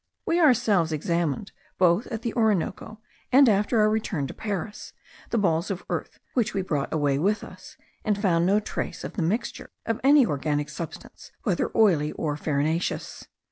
We ourselves examined, both at the Orinoco and after our return to Paris, the balls of earth which we brought away with us, and found no trace of the mixture of any organic substance, whether oily or farinaceous.